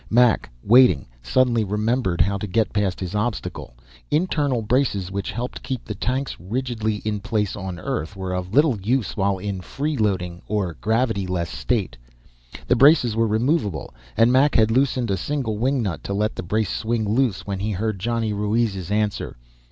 Mac, waiting, suddenly remembered how to get past his obstacle. Internal braces which helped keep the tanks rigidly in place on Earth were of little use while in "freeloading," or gravity less, state. The braces were removable, and Mac had loosened a single wing nut to let the brace swing loose when he heard Johnny Ruiz's answer.